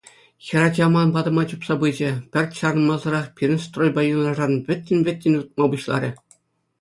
Хӗрача ман патӑма чупса пычӗ, пӗр чарӑнмасӑрах пирӗн стройпа юнашар вӗттен-вӗттӗн утма пуҫларӗ.